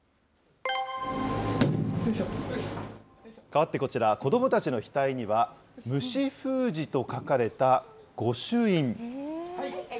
かわってこちら、子どもたちの額には、虫封と書かれたご朱印。